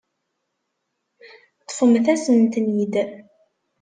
Ṭṭfemt-asen-ten-id.